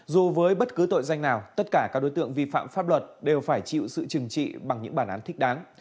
dù với bất cứ tội danh nào tất cả các đối tượng vi phạm pháp luật đều phải chịu sự trừng trị bằng những bản án thích đáng